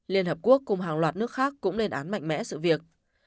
liên hợp quốc cùng hàng loạt nước khác cũng lên án mạnh mẽ sự việc